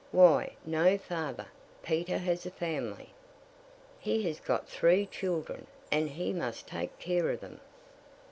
Why, no, father; Peter has a family; he has got three children, and he must take care of them."